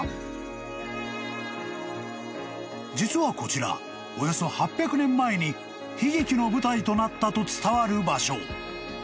［実はこちらおよそ８００年前に悲劇の舞台となったと伝わる場所］